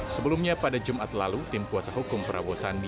sebelumnya pada jumat lalu tim kuasa hukum prabowo sandi